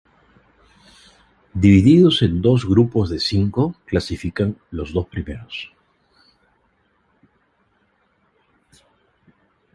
Divididos en dos grupos de cinco, clasifican los dos primeros.